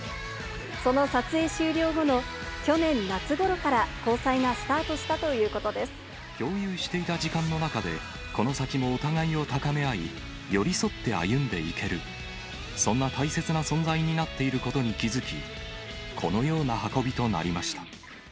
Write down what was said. その撮影終了後の去年夏ごろから交際がスタートしたということで共有していた時間の中で、この先もお互いを高め合い、寄り添って歩んでいける、そんな大切な存在になっていることに気付き、このような運びとなりました。